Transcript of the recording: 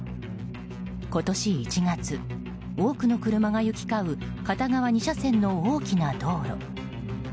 今年１月、多くの車が行き交う片側２車線の大きな道路。